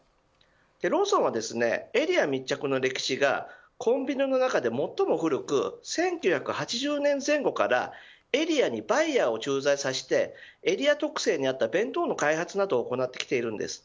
ローソンは、エリア密着の歴史がコンビニの中で最も古く１９８０年前後からエリアにバイヤーを駐在させてエリア特性に合った弁当の開発などを行ってきています。